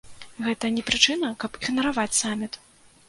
Гэта не прычына, каб ігнараваць саміт?